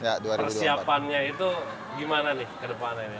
persiapannya itu gimana nih ke depannya nih mas david